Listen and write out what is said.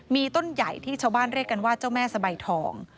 มีต้นใหญ่ที่ชาวบ้านเรียกกันว่าเจ้าแม่สบายทอง